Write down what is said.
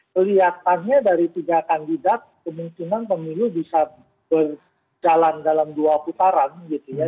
kelihatannya dari tiga kandidat kemungkinan pemilu bisa berjalan dalam dua putaran gitu ya